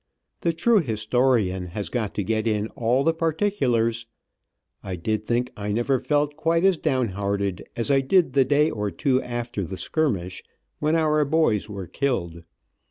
The true historian has got to get in all the particulars. I think I never felt quite as downhearted as I did the day or two after the skirmish, when our boys were killed.